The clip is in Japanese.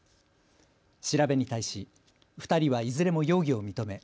調べに対し２人はいずれも容疑を認め